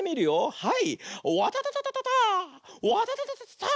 はい！